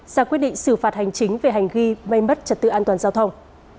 ra quyết định xử phạt hành chính về hành ghi mây mất trật tự an toàn giao thông